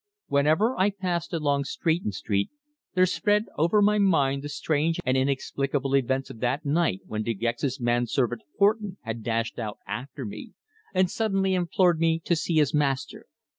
Whenever I passed along Stretton Street there spread over my mind the strange and inexplicable events of that night when De Gex's man servant Horton had dashed out after me, and suddenly implored me to see his master.